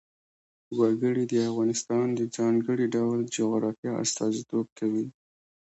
وګړي د افغانستان د ځانګړي ډول جغرافیه استازیتوب کوي.